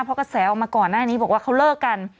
เพราะกระแสออกมาก่อนหน้านี้บอกว่าเขาเลิกกัน